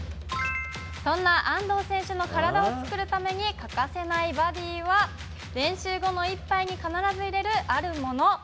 そんな安藤選手の体を作るために欠かせないバディは、練習後の一杯に必ず入れるあるもの。